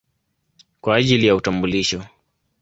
kwa ajili ya utambulisho.